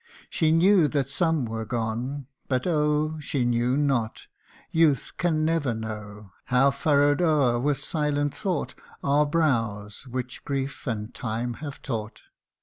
She knew that some were gone but oh ! She knew not youth can never know How furrowed o'er with silent thought Are brows which grief and time have taught.